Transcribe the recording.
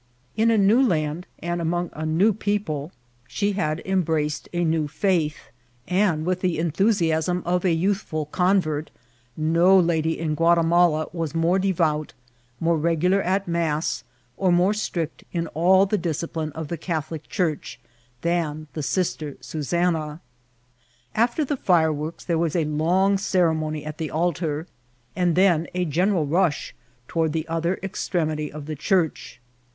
In a new land and among a new people, she tit IMCIDBVTf or TRATKL. had embraced a new &ith ; and, with the aithiisiaflm of a yoothfol convert, no lady in Guatimala was more derout, more regular at mass, or more strict in all die diseipline of the Catholic Church than the Sister 8a* After the fireworks there was a long ceremony at the altar, and then a general rash toward the other ex* tremity of the church.